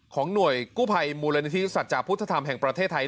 ของหน่วยกู้ไพรมูลนิธิศัตริย์จากพุทธธรรมแห่งประเทศไทย